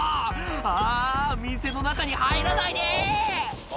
「あぁ店の中に入らないで！」